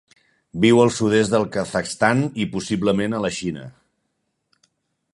Viu al sud-est del Kazakhstan i possiblement a la Xina.